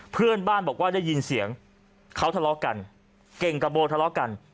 เพื่อนบ้านบอกว่าได้ยินเสียงเขาทะเลาะกันเก่งกับโบทะเลาะกัน